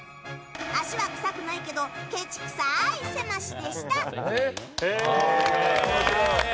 足は臭くないけどケチくさい、せましでした！